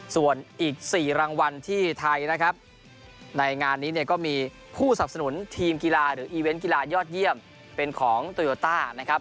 ส่วนอีก๔รางวัลที่ไทยนะครับในงานนี้เนี่ยก็มีผู้สับสนุนทีมกีฬาหรืออีเวนต์กีฬายอดเยี่ยมเป็นของโตโยต้านะครับ